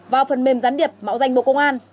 vào phần mềm gián điệp mạo danh bộ công an